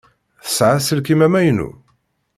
Tesɛa aselkim amaynu?